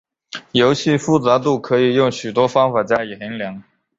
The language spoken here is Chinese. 游戏复杂度可以用许多方法加以衡量。